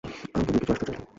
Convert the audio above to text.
আনন্দময়ী কিছু আশ্চর্য হইলেন।